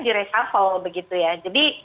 diresalvo begitu ya jadi